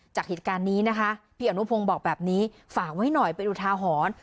จากผิดการณ์นี้นะคะพี่อนุพงศ์บอกแบบนี้ฝากไว้หน่อยไปดูทาหอน